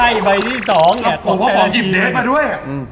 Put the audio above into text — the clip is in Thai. เอาของหยิบเดทมาด้วย